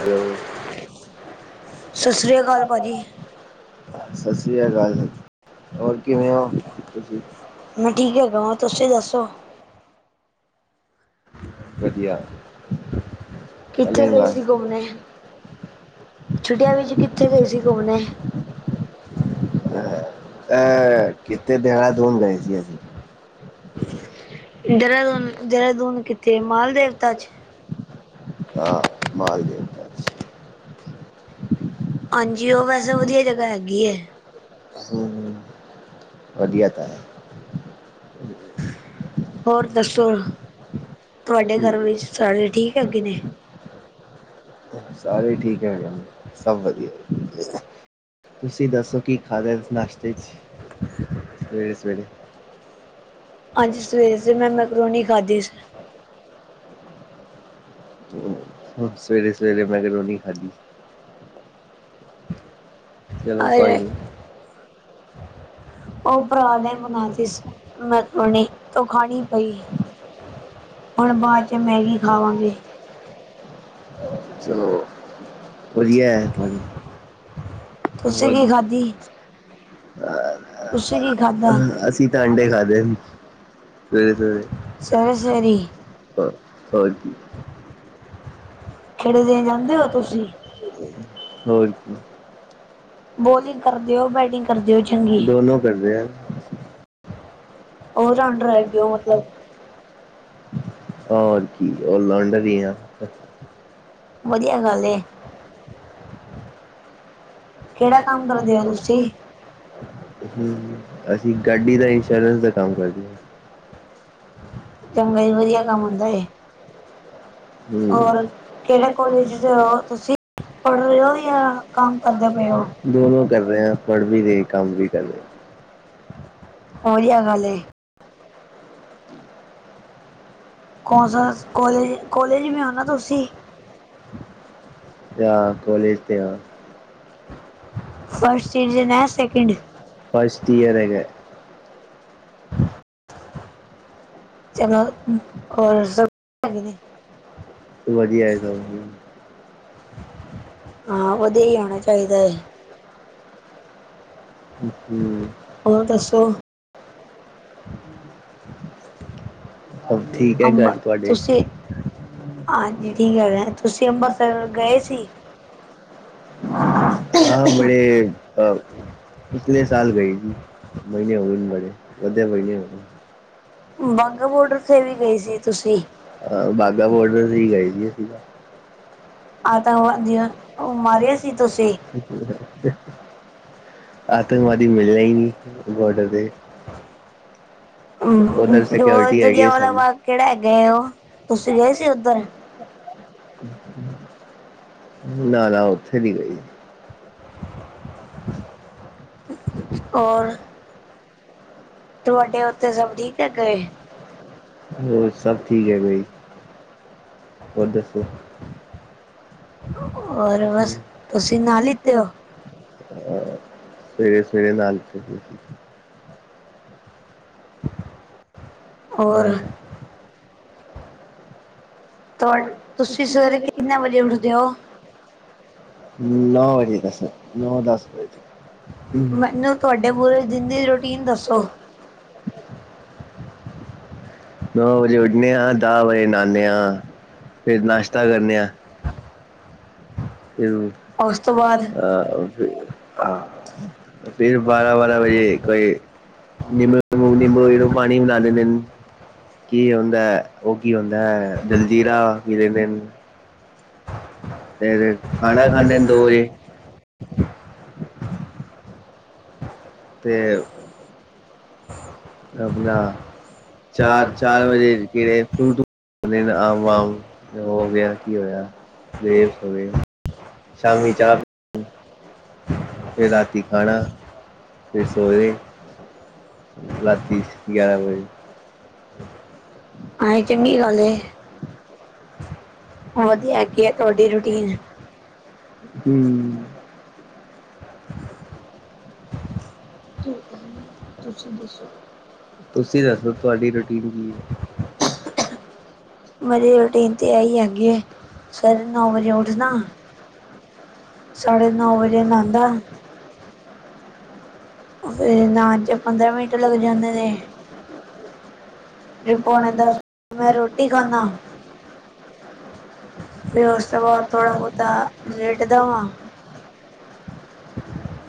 Hello, ਸਸਰੀਕਾਲ [unintelligible] ਸਸਰੀਕਾਲ ਜੀ ਹੋਰ ਕਿਵੇਂ ਹੋ ਤੁਸੀਂ। ਮੈਂ ਠੀਕ ਹੈਗਾਵਾਂ ਤੁਸੀਂ ਦੱਸੋ। ਵਧੀਆ। ਕਿੱਥੇ ਗਏ ਸੀ ਘੁੰਮਣੇ, ਛੁੱਟੀਆਂ ਵਿੱਚ ਕਿੱਥੇ ਗਏ ਸੀ ਘੁੰਮਣੇ? ਅ ਅਹ, ਕਿੱਥੇ ਦੈਹਰਾਦੂਨ ਗਏ ਸੀ ਅਸੀ। ਇੰਦਰਾਦੂਨ, ਦੇਹਰਾਦੂਨ ਕਿੱਥੇ, ਮਾਲ ਦੇਵਤਾ 'ਚ' ਹਾਂ, ਮਾਲ ਦੇਵਤਾ 'ਚ'। ਹਾਂਜੀ, ਉਹ ਵੈਸੇ ਵਧੀਆ ਜਗ੍ਹਾ ਹੈਗੀ ਐ। ਹਮ, ਵਧੀਆ ਤਾਂ ਹੈ। ਹੋਰ ਦੱਸੋ, ਤੁਹਾਡੇ ਘਰ ਵਿੱਚ ਸਾਰੇ ਠੀਕ ਹੈੱਗੇ ਨੇ। ਸਾਰੇ ਠੀਕ ਹੈਗੇ ਨੇ, ਸਭ ਵਧੀਆ। ਤੁਸੀਂ ਦੱਸੋ, ਕੀ ਖਾ ਲਿਆ ਨਾਸ਼ਤੇ 'ਚ' ਸਵੇਰੇ-ਸਵੇਰੇ? ' [unintelligible] ਸਵੇਰੇ-ਸਵੇਰੇ ਮੈਂ ਤਾਂ ' [unintelligible] ' ਖਾਧੀ। ਚਲੋ ਭਾਈ। ' [inaudible] ਉਹ ਭਰਾ ਨੇ ਮਨਾਤੀ ਸੀ, ਮੈਂ ਤੋਂ ਖਾਣੀ ਪਈ। ਹੁਣ ਬਾਅਦ 'ਚ' ਮੈਗੀ ਖਾਵਾਂਗੇ। ਚਲੋ, ਵਧੀਆ ਹੈ ਤੁਹਾਨੂੰ। ਵਧੀ' ' [unintelligible] ਅਹ, ਤੁਸੀ ਕੀ ਖਾਧਾ ਸੀ? ਅਸੀਂ ਤਾਂ ਆਂਡੇ ਖਾਧੇ ਸੀ। ਤੇ-ਤੇ' ' [unintelligible] ' [unintelligible] ' [unintelligible] ' ਦੋਨੋ' ' [unintelligible] ' [unintelligible] ਆਹ ਕੀ ਲਾਡ ਦੀ ਆ। ਵਧੀਆ ਗੱਲ ਏ। ਕਿਹੜਾ ਕੰਮ ਕਰਦੇ ਓ ਤੁਸੀਂ, ਅਸੀਂ ਗੱਡੀ ਦਾ ਇੰਸ਼ੋਰੈਂਸ। ਕੰਮ ਕਰਦੇ ਆ। ਚੰਗਾ ਹੀ ਵਧੀਆ ਕੰਮ ਹੁੰਦਾ ਐ। ਔਰ, ਕਿਹੜੇ ਕੋਲੇਜ 'ਚ' ਹੋ ਤੁਸੀਂ? ਪੜ੍ਹ ਰਹੇ ਹੋ, ਜਾਂ ਕੰਮ ਕਰਦੇ ਪਏ ਓ? ਦੋਨੋਂ ਕਰ ਰਹੇ ਆ, ਪੜ੍ਹ ਵੀ ਰਹੇ ਕੰਮ ਵੀ ਕਰ ਰਹੇ। ਹੋਧੀਆ ਗੱਲ ਐ। ਹੁਣ ਫੇਰ ਕੋਲੇਜ, ਕੋਲੇਜ ਵਿੱਚ ਨਾ ਤੁਸੀਂ। ਜਾਂ ਕੋਲੇਜ 'ਤੇ ਆ। ਫਸਟਈਅਰ ਜਾ ਸੈਕਿੰਡ, ਫਸਟੲਈਅਰ ਹੈਗਾ। ਚਗਾ ਹੋਰ ਜ਼' ' [unintelligible] ਵਧੀਆ' ' [unintelligible] ਹਾਂ, ਵਧੀਆ ਹੀ ਆਉਣਾ ਚਾਹੀਦਾ ਹੈ। ਹਮ, ਹੋਰ ਦੱਸੋ? ਹੋਰ ਠੀਕ ਐ, ਘਰ ਤੁਹਾਡੇ? ਹਾਂਜੀ ਕੀ ਗੱਲ ਹੈ, ਤੁਸੀਂ ਅੰਮਿਤਸਰ ਗਏ ਸੀ? ਹਾਂ ਬੜੇ, ਪਿਛਲੇ ਸਾਲ ਗਏ ਸੀ। ਮਹੀਨੇ ਹੋਏ ਬੜੇ, ਅੱਧੇ ਮਹੀਨੇ ਹੋਏ ਬਾਘਾ ਬੋਡਰ 'ਚ' ਵੀ ਗਏ ਸੀ ਤੁਸੀਂ, ਬਾਘਾ ਬੋਡਰ ' [unintelligible] ' ਸੀ ਤੁਸੀਂ ਆਤੰਕਵਾਦੀ ਮਿਲਿਆ ਈ ਨੀ, ਬੋਡਰ ਤੇ ਓਧਰ ਸਿਓਰਟੀ ਹੈਗੀ ਆ ਸਾਰੀ। [unintelligible] ਕੁਛਦਾ [unintelligible] ਨਾ -ਨਾ ਉੱਥੇ ਨੀ ਗਏ। ਔਰ? ਤੁਹਾਡੇ ਓਥੇ ਜਲਦੀ 'ਚ ਗਏ। ਹੋਰ ਸਭ ਠੀਕ ਐ ਬਾਈ, ਹੋਰ ਦੱਸੋ? ਹੋ ਤੁਸੀਂ, ਤੁਸੀਂ ਮਾਲਿਕ ਓ? ਆ ਸਵੇਰੇ -ਸਵੇਰੇ, ਨਾਲ ਨਿੱਕਲ ਸੀਗੇ। ਔਰ? ਤੁਸੀਂ ਸਵੇਰੇ ਕਿੰਨੇ ਵਜੇ ਉਠਦੇ ਓ? ਨੌ ਵਜੇ ਦਸ, ਨੌ ਦਸ ਵਜੇ ਚੱਲਾਂਗੇ। ਹਮ, ਤੁਹਾਡੇ‌ ਪੂਰੇ ਦਿਨ ਦੀ ਰੁਟੀਨ ਦੱਸੋ? ਨੌ ਵਜੇ ਉੱਠਣੇ ਆ, ਦਸ ਵਜੇ ਨਹਾਦੇ ਆ, ਫਿਰ ਨਾਸ਼ਤਾ ਕਰਦੇ ਆ। ਫਿਰ, ਉਸ ਤੋਂ ਬਾਅਦ, ਅ ਅ ਆ ਫਿਰ ਬਾਰਾਂ-ਬਾਰਾਂ ਵਜੇ, ਇੱਕ ਵਜੇ ਨਿੰਬ, ਨਿੰਬੂੋਂ ਪਾਣੀ ਬਣਾ ਲਿਦੇ ਨੇ। ਕੀ ਹੁੰਦਾ ਐ, ਉਹ ਕੀ ਹੁੰਦਾ, ਜਲਜੀਰਾ ਪੀ ਲੈਦੇ ਨੇ। ਫਿਰ ਖਾਣਾ ਖਾਂਦੇ ਨੇ ਦੋ ਵਜੇ। ਹਮ। ਆਪਣਾ, ਚਾਰ-ਚਾਰ ਵਜੇ, ਕਿੜੇ ਫੂਟ ਦਿਨ ਆਮ-ਆਮ ਹੋ ਗਿਆ, ਕੀ ਹੋਇਆ, ਦੇਰ ਹੋ ਗਏ। ਸ਼ਾਮੀ ਚਾਹ। ਫਿਰ ਰਾਤੀ ਖਾਣਾ, ਫਿਰ ਸੋ‌ ਗਏ। ਰਾਤੀ ਗਿਆਰਾਂ ਕੁ ਵਜੇ। ਆਏ, ਚੰਗੀ ਗੱਲ ਹੈ। ਵਧੀਆ ਹੈਗੀ ਆ, ਤੁਹਾਡੀ ਰੂਟੀਨ। ਹਮ। ਤੁਸੀਂ ਦੱਸੋ? ਤੁਹਾਡੀ ਰੂਟੀਨ ਕੀ ਆ? ਮੇਰੀ ਰੂਟੀਨ ਤੇ ਆਈ ਆਗੀ, ਸਵੇਰੇ ਨੌ ਵਜੇ ਉੱਠਦਾ। ਸਾਡੇ ਨੌ ਵਜੇ ਨਾਨਦਾ। ਫਿਰ ਨਾਨਣ 'ਚ ਪੰਦਰਾਂ ਮਿੰਟ ਲੱਗ ਜਾਂਦੇ ਨੇ। ਫਿਰ ਪੋਣੇ ਦਸ, ਮੈਂ ਰੋਟੀ ਖਾਂਦਾ। ਤੇ ਉਸ ਤੋਂ ਬਾਅਦ ਥੋੜਾ ਬਹੁਤਾ ਲੇਟਦਾ ਵਾ।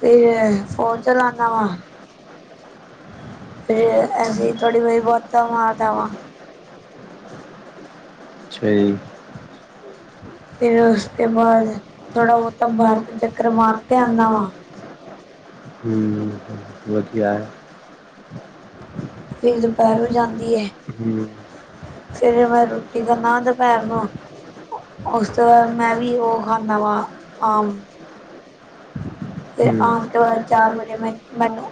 ਫਿਰ ਫੋਨ ਚਲਾਣਾ ਵਾ। ਫਿਰ ਅਸੀਂ ਥੋੜੀ ਬਹੁਤੀ ਬਾਤਾਂ ਮਾਰਦਾ ਵਾਂ। ਅੱਛਾ ਜੀ। ਫਿਰ ਉਸਦੇ ਬਾਅਦ ਥੜਾ ਚੁੱਕਰ ਮਾਰ ਕੇ ਆਨਾ। ਹਮ, ਵਧੀਆ‌ ਐ। [inaudible] ਫਿਰ ਦੁਪਹਿਰ ਹੋ ਜਾਂਦੀ ਐ। ਫਿਰ ਮੈਂ ਰੋਟੀ ਬੰਨਵਾ ਕੇ ਖਾ ਲੈਣੀ। ਉਸ ਤਰ੍ਹਾਂ ਮੈਂ ਵੀ ਉਹ ਨਵਾਂ, ਨਵਾ ਆਹ [unintelligible] ਚਾਰ ਮਹੀਨੇ ਮਜ਼ਰ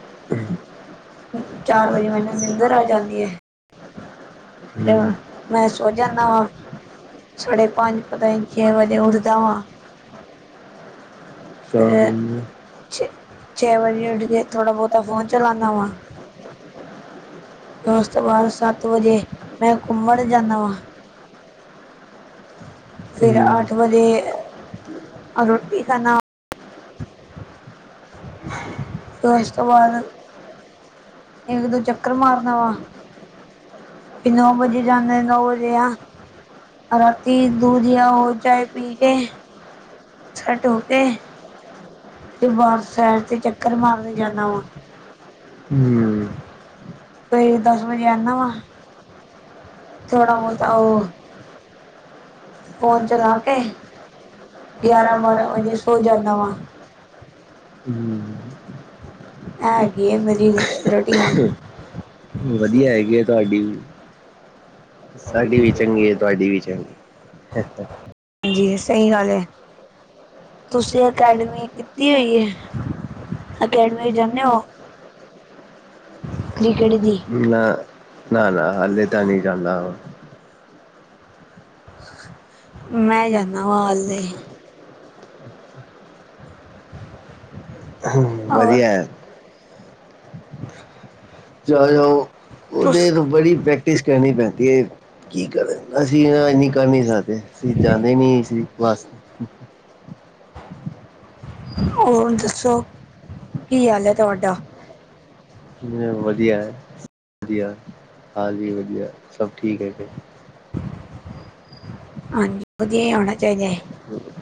ਆ [unintelligible] ਹਮ, ਮੈਂ ਸੋਚਿਆ ਨਵਾ [unintelligible] ਚਾਹ ਹੈਗੀ ਆ। ਚੌਲ ਬੀਜਤੇ ਥੋੜਾ ਬਹੁਤਾ ਪਹੁੰਚਣਾ ਜਰੂਰ। ਉਸਤੋਂ ਬਾਅਦ [unintelligible] ਮਜ ਵਾਲ [unintelligible] ਰੋਟੀ ਖਾਂਣੇ ਆ [inaudible] [inaudible] ਤੇ ਉਸ ਤੋਂ ਬਾਅਦ, ਇੱਕ ਦੋ ਚੱਕਰ ਮਾਰਨ ਆ। ਫਿਰ ਮੈਂ ਜਦੋ ਜਾਨੀ ਆ, ਉਦੋ ਰਣੀ ਦੂਧੀਆਂ ਹੋ ਚਏ ਪੀ ਕੇ [unintelligible] ਸੈੱਟ ਹੋਕੇ, ਤੇ ਬਾਰ ਸੈਰ ਚ ਚੱਕਰ ਮਾਰਨ ਜਾਂਦਾ ਵਾ। ਹੂੰ, ਕੋਈ ਦੱਸ ਵਜੇ ਆਵਾ। ਥੋੜਾ ਬਹੁਤ ਉਹ ਫੋਨ ਚਲਾ ਕੇ, ਗਿਆਰਾਂ-ਬਾਰਾਂ ਵਜੇ ਸੋ ਜਾਂਨਾ। ਆ [unintelligible] ਵਧੀਆ ਹੈਗੀ ਤੁਹਾਡੀ ਵੀ ਸਾਡੀ ਵੀ ਚੰਗੀ ਹੈ ਤੁਹਾਡੀ ਵੀ ਚੰਗੀ [unintelligible] ਹਾਂਜੀ, ਸਹੀ ਗੱਲ ਹੈ। ਤੁਸੀਂ ਅਕੈਡਮੀ ਕੀਤੀ ਹੋਈ ਹੈ, ਅਕੈਡਮੀ ਜਾਂਨੇ ਓ। ਨ- ਨਾ, ਨਾ ਹਾਲੇ ਤਾਂ ਨੀ ਜਾਂਦਾ ਉਹ ਮੈਂ ਜਾਂਦਾ ਵਾ ਹਾਲੇ। ਹੂੰ, ਵਧੀਆ ਹੈ। [inaudible] ਚੱਲੋ, ਉਹਦੇ ਬੜੀ ਪ੍ਰੈਕਟਿਸ ਕਰਨੀ ਪੈਂਦੀ ਏ। ਕੀ ਕਰਨ ਅਸੀਂ ਨਾ ਇਨੀ ਕਰ ਨੀ ਸਕਦੇ ਅਸੀਂ ਜਾਂਦੇ ਨੀ ਸੀ ਬਸ ਅਮ [unintelligible] ਹੋਰ ਦੱਸੋ, ਕੀ ਹਾਲ ਹੈ ਤੁਹਾਡਾ। ਕਿਵੇਂ ਆ ਵਧੀਆ ਹੈ ਵਧੀਆ ਹਾਂਜੀ ਵਧੀਆ ਸਭ ਠੀਕ ਹੈ। ਜ ਹ [unintelligible]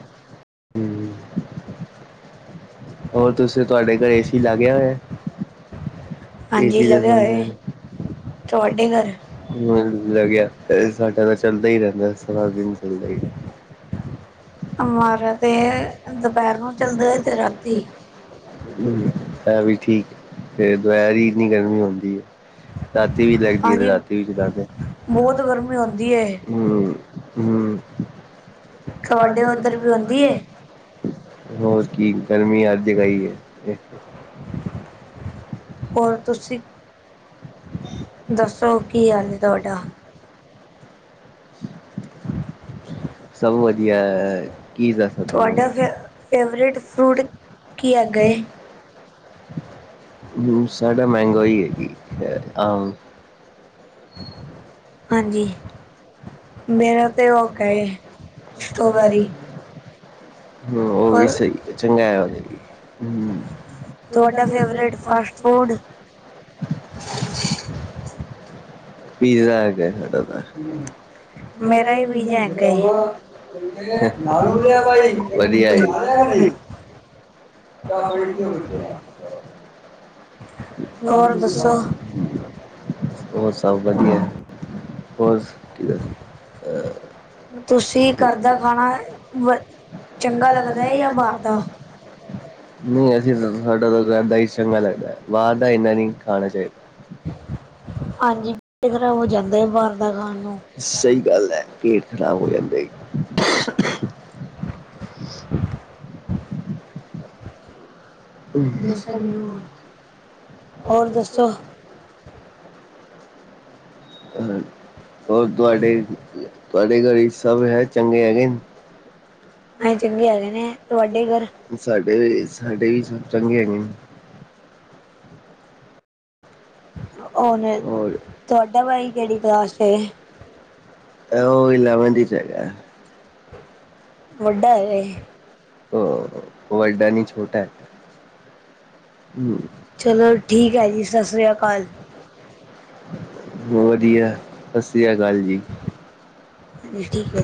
ਹੋਰ ਤੁਸੀਂ ਤੁਹਾਡੇ ਘਰ ਏ ਸੀ ਲਾਗ ਗਿਆ ਏ? ਏ ਸੀ ਦਾ ਸੀਜਨ [unintelligible] ਮੈਂ ਲੱਗਿਆ ਸਾਡਾ ਤਾਂ ਚੱਲਦਾ ਹੀ ਰਹਿੰਦਾ ਸਾਰਾ ਦਿਨ ਚੱਲਦਾ ਮਾਰਾਦੇ [unintelligible] ਹਮ ਹੈ ਵੀ ਠੀਕ ਤੇ ਦੁਪਹਿਰ ਇੰਨੀ ਗਰਮੀ ਹੁੰਦੀ ਹੈ। ਰਾਤੀ ਵੀ ਲੱਗਦੀ ਆ ਤੇ ਰਾਤੀ ਵੀ ਚਲਾਦੇ, ਬਹੁਤ ਗਰਮੀ ਹੁੰਦੀ ਏ, ਹੂੰ। ਹਮ। ਤੁਹਾਡੇ ਉਧਰ ਵੀ ਹੁੰਦੀਏ, ਹੋਰ ਕੀ? ਗਰਮੀ ਅੱਜ ਪਈ ਹੈ। ਹੋਰ ਕੁਛ, ਦੱਸੋ ਕੀ ਹਾਲ ਚਾਲ ਏ? [inaudible] ਸਭ ਵਧੀਆ ਕੀ ਦੱਸ ਤੁਹਾਨੂੰ? ਕੀ ਕਰਦਾ ਜੂਸ ਸਾਡੇ ਮਹਿੰਗਾ ਹੀ ਏ ਜੀ। ਤੇ ਆਮ। ਹਾਂਜੀ। ਮੇਰਾ ਤੇਰਾ ਹੈ, ਉਸ ਵਾਰੀ। ਹਮ ਉਹ ਵੀ ਸਹੀ ਹੈ ਚੰਗਾ ਆ, ਉਹ ਵੀ ਤੁਹਾਡਾ ਕੀ ਅੱਪਡੇਟ ਫਾਸਟ ਫੂਡ? ਪੀਜ਼ਾ ਹੈਗਾ ਸਾਡਾ ਤਾਂ। ਮੇਰਾ ਹੀ ਵੀਜ਼ਾ ਹੈਗਾ। [unintelligible] ਨਾਲ ਜਾਵਾਂਗੇ ਗਏ। ਚਾਅ-ਪਾਣੀ ਪੀਓਗੇ ਕਿਆ? ਹੋਰ ਦੱਸੋ? ਹੋਰ ਸਭ ਵਧੀਆ, ਹੋਰ [unintelligible] ਤੁਸੀਂ ਘਰਦਾ ਖਾਣਾ ਚੰਗਾ ਲੱਗਦਾ ਜਾਂ ਬਾਅਰ ਦਾ? ਨੀ, ਅਸੀ ਸਾਡਾ ਤਾਂ ਘਰਦਾ ਈ ਸੰਗਾ ਲਗਦਾ ਬਾਰ ਦਾ ਇੰਨਾ ਨੀਂ ਖਾਣਾ ਚਾਹੀਦਾ ਹਾਂਜੀ, ਕਈ ਵਾਰ ਹੋ ਜਾਂਦਾ ਬਾਅਰ ਦਾ ਖਾਣਾ ਨੂੰ ਸਈ, ਗੱਲ ਐ ਪੇਟ ਖ਼ਰਾਬ ਓ ਜਾਂਦਾ ਜੀ। [inaudible] ਦੱਸੋ ਜੀ ਹੋਰ, ਹੋਰ ਦੱਸੋ? ਅਹ। ਓ ਤੁਹਾਡੇ, ਤੁਹਾਡੇ ਘਰੇ ਸਭ ਹੈ ਚੰਗੇ ਹੈਗੇ। ਮੈਂ ਜਲਦੀ ਆ ਜਾਣਾ ਤੁਹਾਡੇ ਘਰ ਸਾਡੇ ਵੀ, ਸਾਡੇ ਵੀ ਸਭ ਚੰਗੇ ਐਗੇ ਨੇ। ਔਨਰ, ਤੁਆਡਾ ਬਾਈ ਕਿਹੜੀ ਕਲਾਸ 'ਚ' ਐ? ਓ ਇਲੈਵਨ-ਟੀਚ 'ਚ' ਹੈਗਾ। ਵੱਡਾ ਏ ਓ? ਵੱਡਾ ਨੀਂ ਛੋਟਾ। ਚਲੋ ਠੀਕ ਏ ਜੀ ਸਾਸ੍ਰੀ ਅਕਾਲ ਵਧੀਆ, ਸਾਸ੍ਰੀ ਅਕਾਲ ਆਕਾਲ ਜੀ। ਠੀਕ ਐ।